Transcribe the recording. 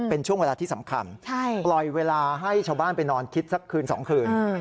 เป็นช่วงเวลาที่สำคัญปล่อยเวลาให้ชาวบ้านไปนอนคิดสักคืน๒คืน